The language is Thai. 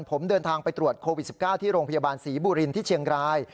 ผมเดินทางไปตรวจโควิด๑๙ที่โรงพยาบาลศรีบุรินที่เชียงราย